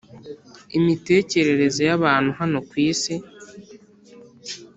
imitekerereze y’abantu hano ku isi,